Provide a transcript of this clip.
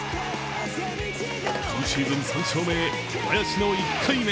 今シーズン３勝目へ、小林の１回目。